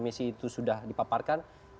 misi itu sudah dipaparkan